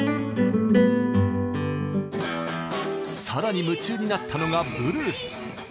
さらに夢中になったのがブルース。